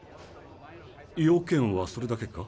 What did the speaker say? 用件はそれだけか？